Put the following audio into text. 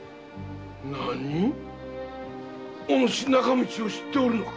なに⁉おぬし仲道を知っておるのか？